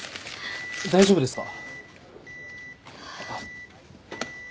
大丈夫ですか？